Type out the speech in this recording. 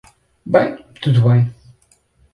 Bem, tudo bem.